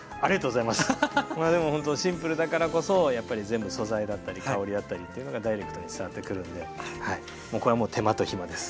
でもほんとシンプルだからこそやっぱり全部素材だったり香りだったりというのがダイレクトに伝わってくるんでもうこれは手間と暇です。